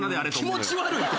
気持ち悪いて。